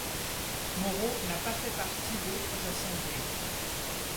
Moreau n'a pas fait partie d'autres assemblées.